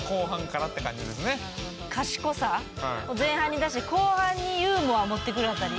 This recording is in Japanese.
賢さを前半に出して後半にユーモア持ってくる辺り